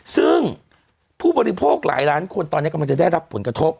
ซึ่งผู้บริโภคหลายล้านคนตอนนี้กำลังจะได้รับผลกระทบ